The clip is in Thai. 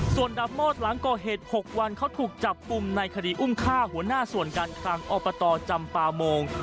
ส่วนดาบโมดหลังก่อเหตุ๖วันเขาถูกจับกลุ่มในคดีอุ้มฆ่าหัวหน้าส่วนการคลังอบตจำปาโมง